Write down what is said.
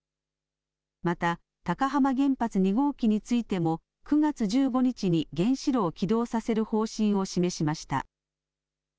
また、高浜原発２号機についても９月１５日に原子炉を起動させる方針を示しました。